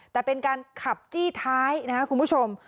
แต่เป็นการขับจี้ท้ายนะครับคุณผู้ชม